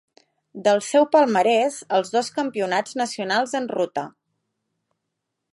Del seu palmarès els dos campionats nacionals en ruta.